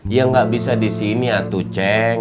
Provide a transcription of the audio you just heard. ya gak bisa di sini tuh ceng